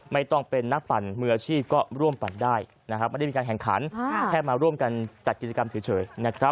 ไม่ต้องเป็นนักปั่นมืออาชีพก็ร่วมปั่นได้ไม่ได้มีการแข่งขันแค่มาร่วมกันจัดกิจกรรมเฉย